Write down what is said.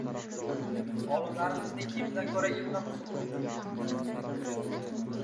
Olimlarimizning kiyimidan ko‘ra ilmi muhimroq